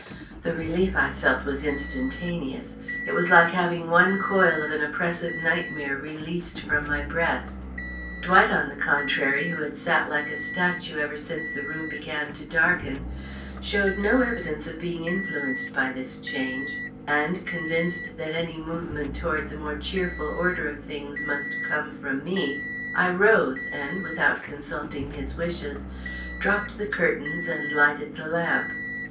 The relief I felt was instantaneous. It was like having one coil of an oppressive nightmare released from my breast. Dwight, on the contrary, who had sat like a statue ever since the room began to darken, showed no evidence of being influenced by this change, and, convinced that any movement towards a more cheerful order of things must come from me, I rose, and, without consulting his wishes, dropped the curtains and lighted the lamp.